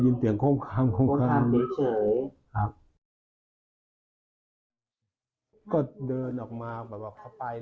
เขาจะแทงกันไปกันเพราะเพิ่งได้ยินเสียงอะไรก็ได้ยิน